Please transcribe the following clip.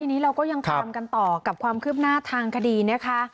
ทีนี้เราก็ยังตามกันต่อกับความคืบหน้าทางคดีนะคะ